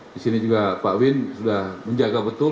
disini juga pak win sudah menjaga betul